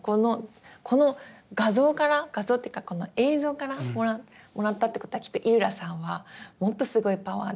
この画像から画像っていうかこの映像からもらったってことはきっと井浦さんはもっとすごいパワーで。